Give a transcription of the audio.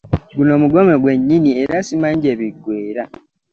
Guno mugomyo gwennyini era ssimanyi gye biggweera.